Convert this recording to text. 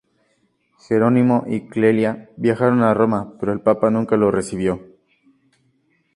Jerónimo y Clelia viajaron a Roma pero el papa nunca lo recibió.